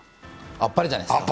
あっぱれじゃないですか。